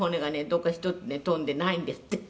どこか１つね飛んでないんですって」